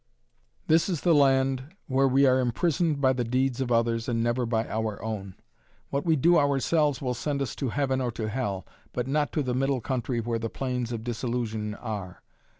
This is the land where we are imprisoned by the deeds of others and never by our own. What we do ourselves will send us to Heaven or to Hell; but not to the middle country where the plains of disillusion are.